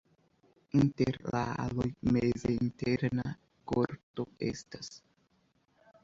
Inter la aloj meze interna korto estas.